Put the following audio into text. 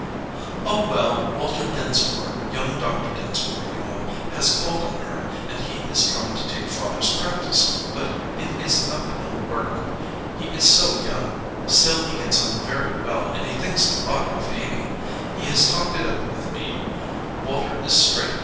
"Oh, well, Walter Dinsmore, young Doctor Dinsmore, you know, has called on her, and he is trying to take Father s practice, but it is up hill work. He is so young ; still he gets on very well and he thinks a lot of Amy. He has talked it over 14 SARAH EDGEWATER with me. Walter is straight.